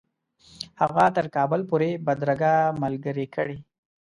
هغه تر کابل پوري بدرګه ملګرې کړي.